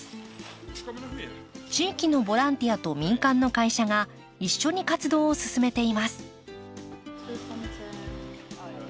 地域のボランティアと民間の会社が一緒に活動を進めています。